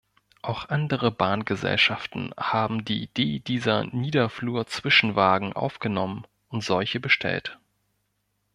Auch andere Bahngesellschaften haben die Idee dieser Niederflur-Zwischenwagen aufgenommen und solche bestellt.